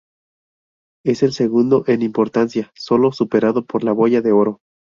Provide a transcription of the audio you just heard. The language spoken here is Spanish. Es el segundo en importancia, sólo superado por la Boya de Oro.